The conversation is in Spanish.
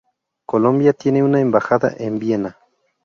Colombia tiene una embajada en Viena.